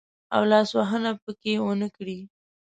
او لاس وهنه پکښې ونه کړي.